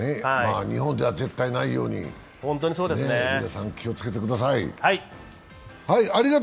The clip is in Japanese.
日本では絶対にないように皆さん気をつけてください。